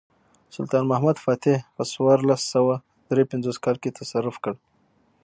سلطان محمد فاتح په څوارلس سوه درې پنځوس کال کې تصرف کړ.